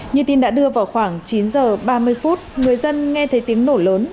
như tin đã đưa vào khoảng chín giờ ba mươi phút người dân nghe thấy tiếng nổ lớn